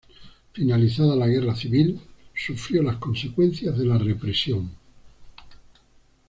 Finalizada la Guerra Civil sufrió las consecuencias de la represión.